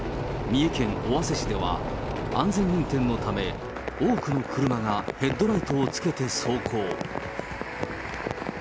三重県尾鷲市では、安全運転のため、多くの車がヘッドライトをつけて走行。